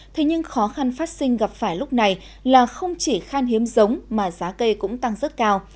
thế nhưng khó khăn phát sinh gặp phải lúc này là không chỉ khan hiếm giống mà giá cây cũng tăng rất cao